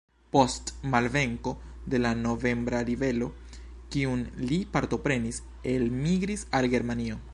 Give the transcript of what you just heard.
Post malvenko de la novembra ribelo, kiun li partoprenis, elmigris al Germanio.